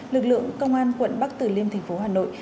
lực lượng công an quận bắc từ liêm tp hà nội